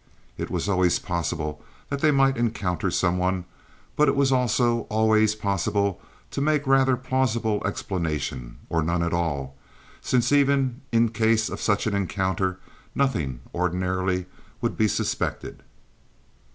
It was always possible that they might encounter some one; but it was also always possible to make a rather plausible explanation, or none at all, since even in case of such an encounter nothing, ordinarily, would be suspected.